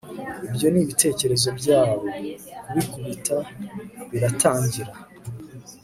ibyo nibitekerezo byabo, gukubita biratangira